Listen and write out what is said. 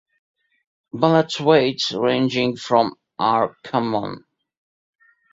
Bullet weights ranging from are common.